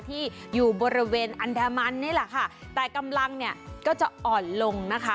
ที่อยู่บริเวณอันดามันนี่แหละค่ะแต่กำลังเนี่ยก็จะอ่อนลงนะคะ